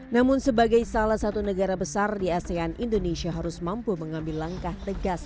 namun sebagai salah satu negara besar di asean indonesia harus mampu mengambil langkah tegas